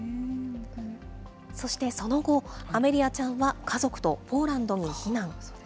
そしてその後、アメリアちゃんは家族とポーランドに避難。